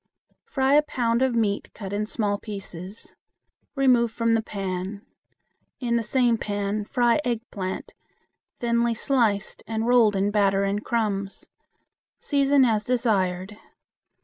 Fry a pound of meat cut in small pieces. Remove from the pan. In the same pan fry eggplant, thinly sliced and rolled in batter and crumbs. Season as desired.